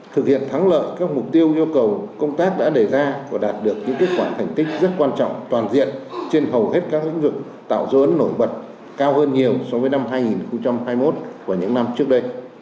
thực hiện thắng lợi các mục tiêu yêu cầu công tác đã đề ra và đạt được những kết quả thành tích rất quan trọng toàn diện trên hầu hết các lĩnh vực tạo dấu ấn nổi bật cao hơn nhiều so với năm hai nghìn hai mươi một của những năm trước đây